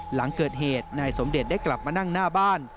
หลังเกิดเหตุนายสมเด็จได้กลับมานั่งหน้าบ้าน